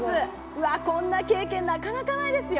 うわっこんな経験なかなかないですよ。